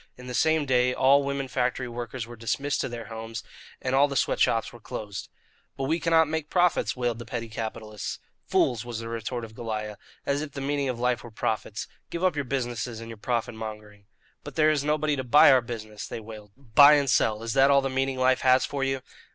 In the same day all women factory workers were dismissed to their homes, and all the sweat shops were closed. "But we cannot make profits!" wailed the petty capitalists. "Fools!" was the retort of Goliah. "As if the meaning of life were profits! Give up your businesses and your profit mongering." "But there is nobody to buy our business!" they wailed. "Buy and sell is that all the meaning life has for you?"